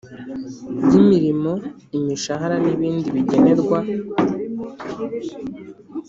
Y imirimo imishahara n ibindi bigenerwa